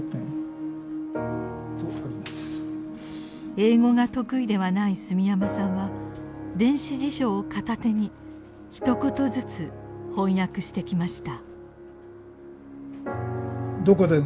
英語が得意ではない住山さんは電子辞書を片手にひと言ずつ翻訳してきました。